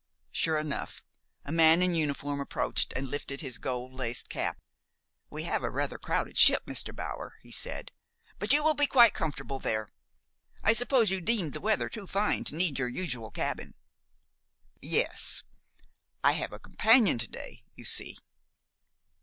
Sure enough, a man in uniform approached and lifted his gold laced cap. "We have a rather crowded ship, Mr. Bower," he said; "but you will be quite comfortable there. I suppose you deemed the weather too fine to need your usual cabin?" "Yes. I have a companion to day, you see."